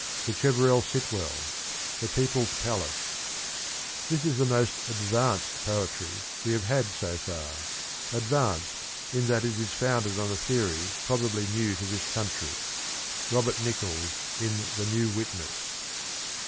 Sacheverell Sitwell. THE PEOPLES PALACE. This is the most ' advanced ' poetry we have had so far ; 1 advanced ' in that it is founded on a theory probably new to this country. — Robert Nichols in The Neio Witness.